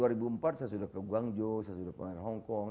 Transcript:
saya sudah ke guangzhou saya sudah ke hongkong